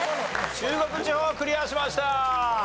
中国地方クリアしました。